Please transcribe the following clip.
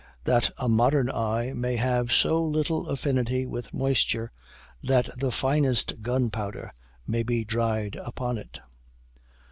that a modern eye may have so little affinity with moisture, that the finest gunpowder may be dried upon it.